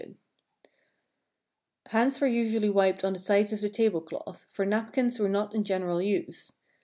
Hands Hands were usually wiped on the sides of the table cloth, for napkins were not in general use.